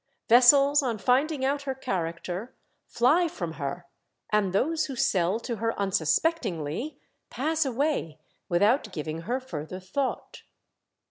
Vessels on finding out her character fly from her, and those who sell to her unsuspectingly pass away without giving her further thought."